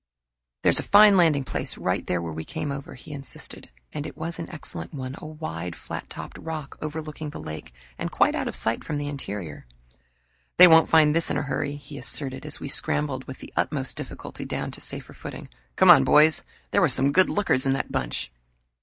"There's a fine landing place right there where we came over," he insisted, and it was an excellent one a wide, flat topped rock, overlooking the lake, and quite out of sight from the interior. "They won't find this in a hurry," he asserted, as we scrambled with the utmost difficulty down to safer footing. "Come on, boys there were some good lookers in that bunch."